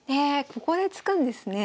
ここで突くんですね。